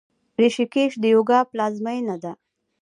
ریشیکیش د یوګا پلازمینه ده.